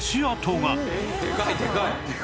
でかいでかい。